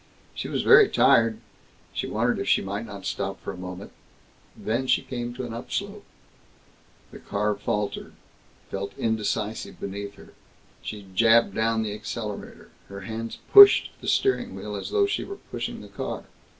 She was very tired. She wondered if she might not stop for a moment. Then she came to an upslope. The car faltered; felt indecisive beneath her. She jabbed down the accelerator. Her hands pushed at the steering wheel as though she were pushing the car.